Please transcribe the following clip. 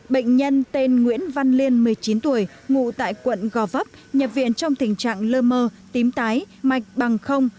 bệnh nhân tên nguyễn văn liên một mươi chín tuổi ngụ tại quận gò vấp nhập viện trong tình trạng lơ mơ tím tái mạch bằng không